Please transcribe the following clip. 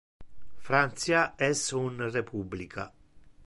Francia es un republica.